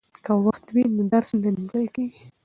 که وخت وي نو درس نه نیمګړی کیږي.